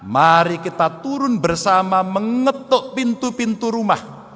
mari kita turun bersama mengetuk pintu pintu rumah